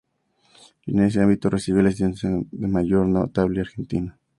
En ese ámbito recibió la distinción de "Mayor Notable Argentino".